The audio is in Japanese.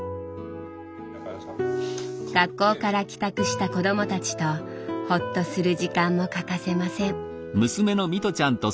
学校から帰宅した子どもたちとほっとする時間も欠かせません。